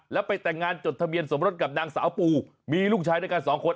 แล้วไปแต่งงานจดทะเบียนสมรสกับนางสาวปูมีลูกชายด้วยกันสองคน